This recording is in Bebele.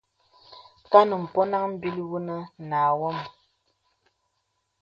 Kàn mpɔnaŋ m̀bìl wunə nà wam.